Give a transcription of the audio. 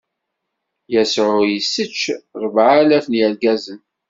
Yasuɛ issečč ṛebɛalaf n yirgazen.